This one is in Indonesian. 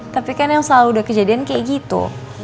tapi kan yang selalu udah kejadian kayak gitu